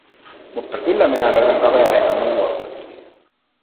Mutta kyllä minä löydän kavereita muualtakin.